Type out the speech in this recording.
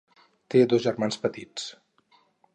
Té dos germans petits: